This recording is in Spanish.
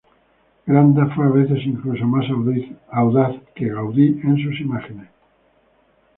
Granda fue a veces incluso más audaz que Gaudí en sus imágenes.